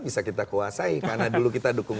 bisa kita kuasai karena dulu kita dukung